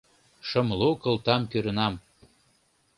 Шымлу кылтам кӱрынам